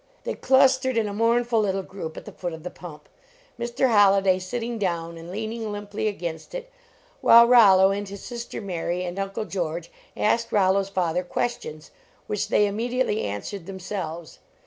They clustered in a mournful little group at the foot of the pump, Mr. Holliday sitting down and leaning limply against it, while Rollo, and his sister Mary, and Uncle George asked Rollo s father questions, which they immediately answered themselves.